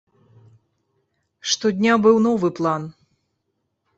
Штодня быў новы план.